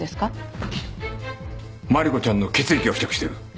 真梨子ちゃんの血液が付着している！